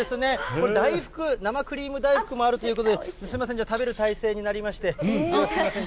これ、大福、生クリーム大福もあるということで、すみません、じゃあ、食べる体勢になりまして、すみません。